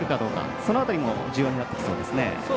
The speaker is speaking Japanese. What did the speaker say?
その辺りが重要になってきそうですね。